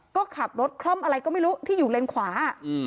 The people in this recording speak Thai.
ก็ขับรถคล่อมอะไรก็ไม่รู้ที่อยู่เลนขวา